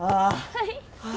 はい。